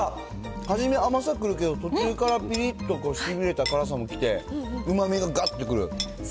初め、甘さくるけど、途中からぴりっとしびれた辛さもきて、うまみががって来る。